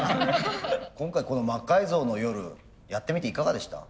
今回この「魔改造の夜」やってみていかがでした？